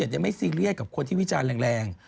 ยังไม่ซีเรียสกับคนที่วิจารณ์แรง